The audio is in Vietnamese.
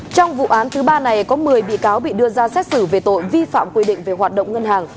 trong vụ án thứ ba này có một mươi bị cáo bị đưa ra xét xử về tội vi phạm quy định về hoạt động ngân hàng